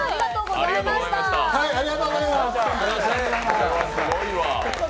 これはすごいわ。